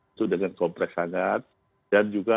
itu dengan kompleks hangat dan juga